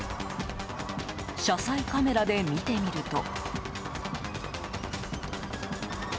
車載カメラで見てみると。